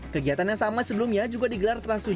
kegiatan yang sama sebelumnya juga digelar trans tujuh